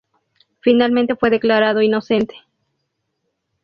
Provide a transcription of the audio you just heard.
Finalmente fue declarado inocente.